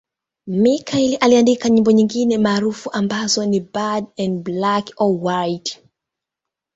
Michael aliandika nyimbo nyingine maarufu ambazo ni 'Bad' na 'Black or White'.